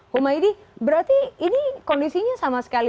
humaydi berarti ini kondisinya sama sekali